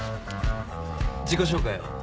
自己紹介を。